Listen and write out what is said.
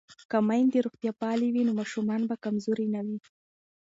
که میندې روغتیا پالې وي نو ماشومان به کمزوري نه وي.